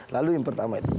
lalu yang pertama itu